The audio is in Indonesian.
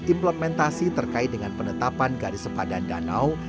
implementasi terkait dengan penetapan garis sepadan danau